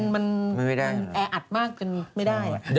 มันแออัดมากจนไม่ได้